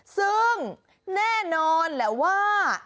ซึ่งแน่นอนแหละว่า